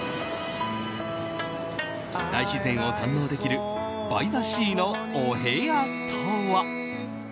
大自然を堪能できるバイザシーのお部屋とは。